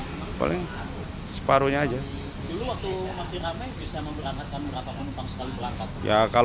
dulu waktu masih ramai bisa memberangkatkan berapa penumpang sekali berangkat